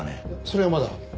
それはまだ。